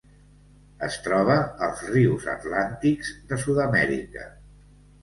Es troba als rius atlàntics de Sud-amèrica.